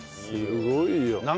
すごいよ。